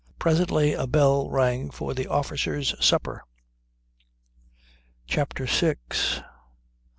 Presently a bell rang for the officers' supper. CHAPTER SIX